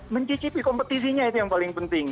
mencicipi kompetisinya itu yang paling penting